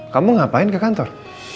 kamu ngapain ke kantor